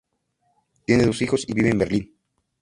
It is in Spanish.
Tiene dos hijos y vive en Berlín.